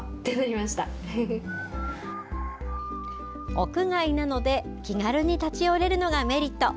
屋外なので気軽に立ち寄れるのがメリット。